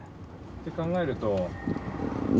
って考えると。